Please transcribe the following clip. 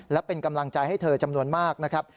และเป็นกำลังใจให้เธอจำนวนมากนะครับ